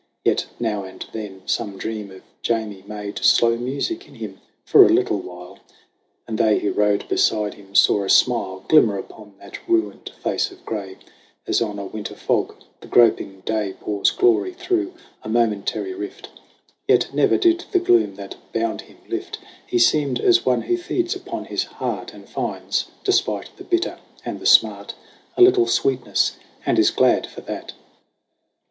Yet now and then some dream of Jamie made Slow music in him for a little while ; And they who rode beside him saw a smile Glimmer upon that ruined face of gray, As on a winter fog the groping day Pours glory through a momentary rift. Yet never did the gloom that bound him, lift; He seemed as one who feeds upon his heart And finds, despite the bitter and the smart, A little sweetness and is glad for that.